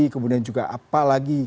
kemudian juga apa lagi